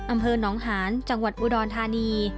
อำเภอหนองหานจังหวัดอุดรธานี